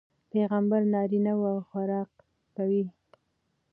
پيغمبر نارينه وي او خوراک کوي